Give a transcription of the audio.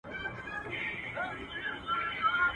o تر رمې ئې سپي ډېر دي.